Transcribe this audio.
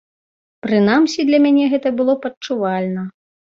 Прынамсі, для мяне гэта было б адчувальна.